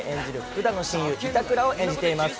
福田の親友・板倉を演じています。